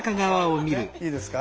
いいですか？